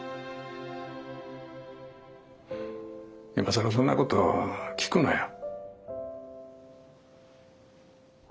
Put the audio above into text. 今更そんなことを聞くなよ。